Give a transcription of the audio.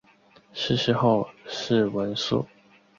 逝世后谥文肃。